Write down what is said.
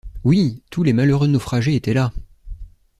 Oui! tous les malheureux naufragés étaient là !